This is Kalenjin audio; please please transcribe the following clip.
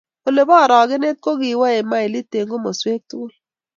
ole bo orokenet ko kiwo eng mailit eng komoswek tugul